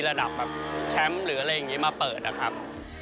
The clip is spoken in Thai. ระดับแบบแชมป์หรืออะไรอย่างนี้มาเปิดนะครับ